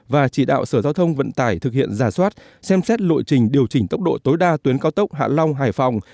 và chỉ đạo sở giao thông vận tải thực hiện giả soát xem xét lộ trình điều chỉnh tốc độ tối đa tuyến cao tốc hạ long hải phòng